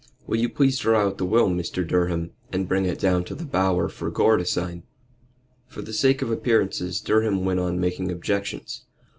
Will you please draw out the will, Mr. Durham, and bring it down to the Bower for Gore to sign?" For the sake of appearances Durham went on making objections.